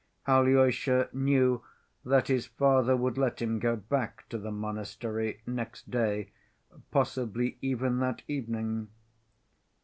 Alyosha knew that his father would let him go back to the monastery next day, possibly even that evening.